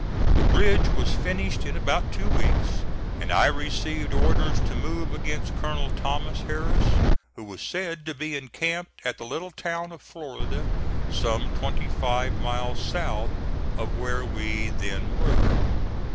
The bridge was finished in about two weeks, and I received orders to move against Colonel Thomas Harris, who was said to be encamped at the little town of Florida, some twenty five miles south of where we then were.